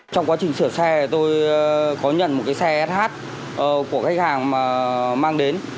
trong quá trình sửa xe tôi có nhận một cái xe sh của khách hàng mà mang đến